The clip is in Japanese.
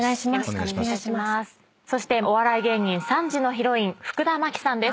そしてお笑い芸人３時のヒロイン福田麻貴さんです。